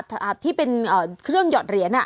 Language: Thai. ที่เป็นเครื่องหยอดเหรียญ